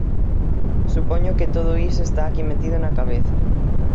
Supoño que todo iso está aquí metido na cabeza.